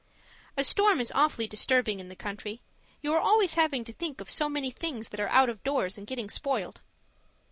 A storm is awfully disturbing in the country. You are always having to think of so many things that are out of doors and getting spoiled.